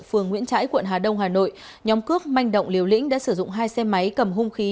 phường nguyễn trãi quận hà đông hà nội nhóm cướp manh động liều lĩnh đã sử dụng hai xe máy cầm hung khí